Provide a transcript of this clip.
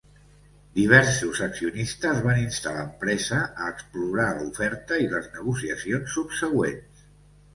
Diversos accionistes van instar l'empresa a explorar l'oferta i les negociacions subsegüents.